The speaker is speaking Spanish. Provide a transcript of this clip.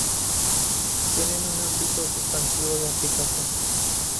Tienen un ámbito sustantivo de aplicación.